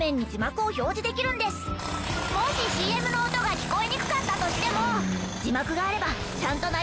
もしＣＭの音が聞こえにくかったとしても。